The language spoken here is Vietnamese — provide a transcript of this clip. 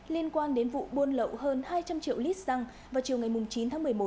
liên quan đến vụ buôn lậu hơn hai trăm linh triệu lít xăng vào chiều ngày chín tháng một mươi một